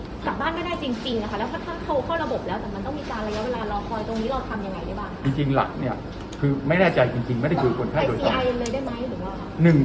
แล้วกลับมาก่านไม่ได้จริงแล้วถ้าเขาเข้าระบบแต่ต้องมีการระยะเวลารอคอยตรงนี้